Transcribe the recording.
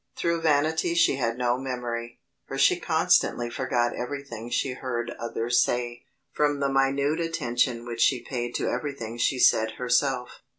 Through vanity she had no memory, for she constantly forgot everything she heard others say, from the minute attention which she paid to everything she said herself.